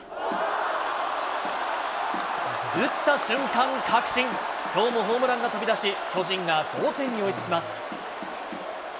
打った瞬間、確信、きょうもホームランが飛び出し、巨人が同点に追いつきます。